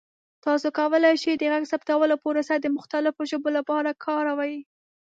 تاسو کولی شئ د غږ ثبتولو پروسه د مختلفو ژبو لپاره کاروئ.